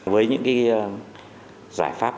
với những giải pháp